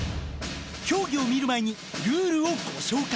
競技を見る前にルールをご紹介。